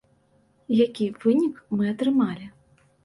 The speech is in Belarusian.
Які вынік мы атрымалі?